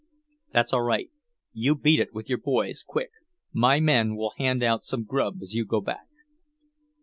"That's all right. You beat it, with your boys, quick! My men will hand you out some grub as you go back."